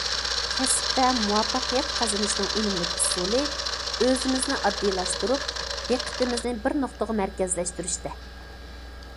كەسىپتە مۇۋەپپەقىيەت قازىنىشنىڭ ئۈنۈملۈك ئۇسۇلى ئۆزىمىزنى ئاددىيلاشتۇرۇپ، دىققىتىمىزنى بىر نۇقتىغا مەركەزلەشتۈرۈشتە.